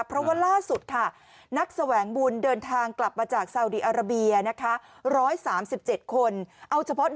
เพราะว่าล่าสุดค่ะนักแสวงบุญเดินทางกลับมาจากซาวดีอาราเบียนะคะ